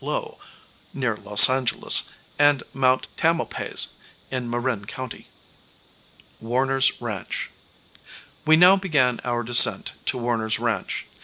Lowe, near Los Angeles, and Mt. Tamalpais, in Marin County. Warner's Ranch. We now began our descent to Warner's Ranch.